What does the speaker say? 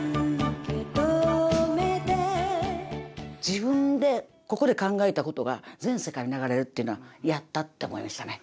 自分でここで考えたことが全世界に流れるっていうのはやった！って思いましたね。